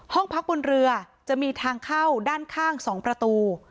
ห้องพักบนเรือจะมีทางเข้าด้านข้าง๒ประตู